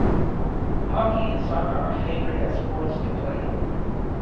Hockey and soccer are favoured as sports to play.